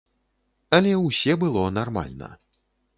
Але ўсе было нармальна.